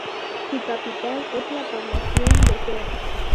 Su capital es la población de Zea.